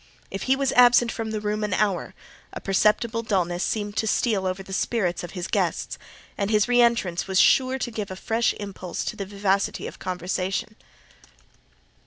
If he was absent from the room an hour, a perceptible dulness seemed to steal over the spirits of his guests; and his re entrance was sure to give a fresh impulse to the vivacity of conversation.